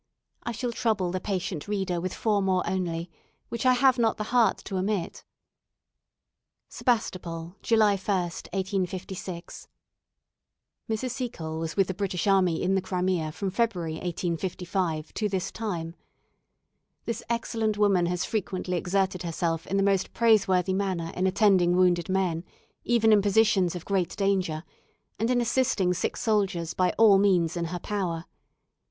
I shall trouble the patient reader with four more only, which I have not the heart to omit. "Sebastopol, July 1, 1856. "Mrs. Seacole was with the British army in the Crimea from February, 1855, to this time. This excellent woman has frequently exerted herself in the most praiseworthy manner in attending wounded men, even in positions of great danger, and in assisting sick soldiers by all means in her power.